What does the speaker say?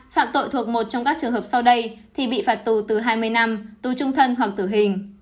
phạm tội thuộc một trong các trường hợp sau đây thì bị phạt tù từ hai mươi năm tù trung thân hoặc tử hình